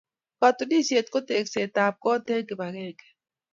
Katunisyet ko tekseetab koot eng kibagenge.